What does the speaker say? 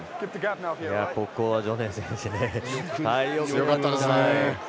ここはジョネ選手すごかったですね。